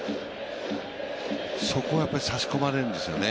そこをやっぱり差し込まれるんですよね。